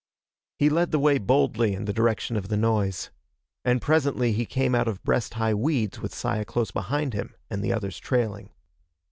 He led the way boldly in the direction of the noise. And presently he came out of breast high weeds with Saya close behind him and the others trailing.